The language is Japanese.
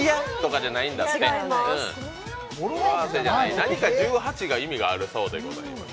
何か１８が意味があるそうでございます。